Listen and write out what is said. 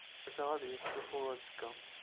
Cikkeɣ ad yestufu azekka.